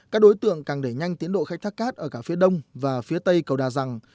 các đối tượng càng đẩy nhanh tiến độ khai thác cát ở cả phía đông và phía tây cầu đà răng